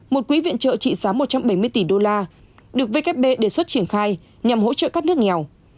một quỹ viện trợ trị giá một trăm bảy mươi tỷ đô la được vkp đề xuất triển khai nhằm hỗ trợ các nước nghèo